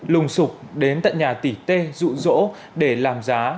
lùng sụp đến tận nhà tỉ tê dụ dỗ để làm giá